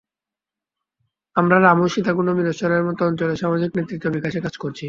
আমরা রামু, সীতাকুণ্ড, মিরসরাইয়ের মতো অঞ্চলে সামাজিক নেতৃত্ব বিকাশে কাজ করছি।